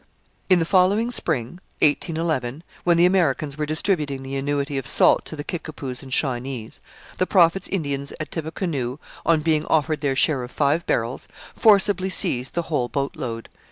In the following spring (1811), when the Americans were distributing the annuity of salt to the Kickapoos and Shawnees, the Prophet's Indians at Tippecanoe, on being offered their share of five barrels, forcibly seized the whole boat load.